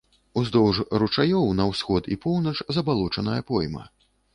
Уздоўж ручаёў на ўсход і поўнач забалочаная пойма.